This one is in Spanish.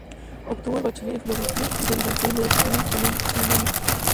Obtuvo el bachiller en Filosofía y se licenció en Derecho civil y canónico.